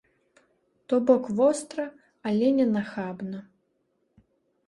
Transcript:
То бок востра, але не нахабна.